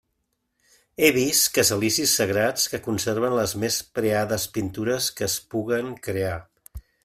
He vist casalicis sagrats que conserven les més preades pintures que es puguen crear.